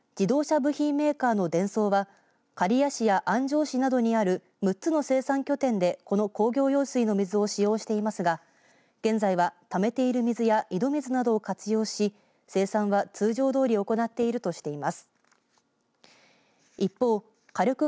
また自動車部品メーカーのデンソーは刈谷市や安城市などにある６つの生産拠点でこの工業用水の水を使用していますが現在は貯めている水や井戸水などを活用し生産は通常どおり行っているとしています。